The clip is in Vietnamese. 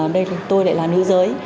đây tôi lại là nữ giới